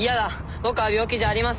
僕は病気じゃありません！